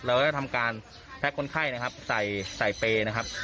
เราจะทำการแพ็คคนไข้นะครับใส่เปรย์นะครับ